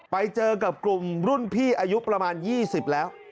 ไปเจอกับกลุ่มรุ่นพี่อายุประมาณ๒๐แล้ว